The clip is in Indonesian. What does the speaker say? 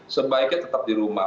sebaiknya tetap di rumah